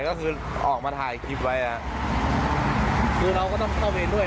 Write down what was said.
ก็คือออกมาถ่ายคลิปไว้อ่ะคือเราก็ต้องเข้าเวรด้วย